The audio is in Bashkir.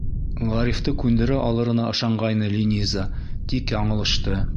Ғарифты күндерә алырына ышанғайны Линиза, тик яңылышты.